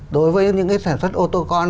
đối với những cái sản xuất ô tô con